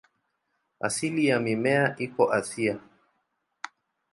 Asili ya mimea iko Asia.